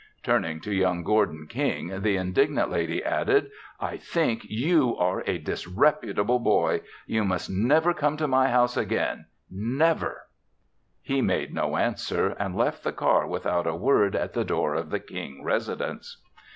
Turning to young Gordon King, the indignant lady added: "I think you are a disreputable boy. You must never come to my house again never!" He made no answer and left the car without a word at the door of the King residence.